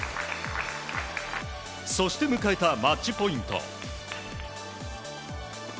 そして迎えたマッチポイント。